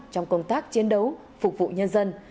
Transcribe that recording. trong công tác chiến đấu phục vụ nhân dân